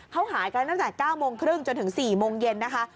เขาหายกันตั้งแต่๙โมงครึ่งจนถึง๔โมงเย็นนะคะ